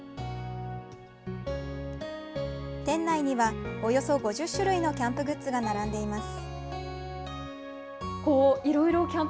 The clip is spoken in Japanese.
店内には、およそ５０種類のキャンプグッズが並んでいます。